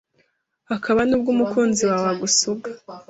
hakaba n’ubwo umukunzi wawe agusuga